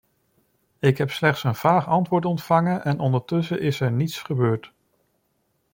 Ik heb slechts een vaag antwoord ontvangen en ondertussen is er niets gebeurd.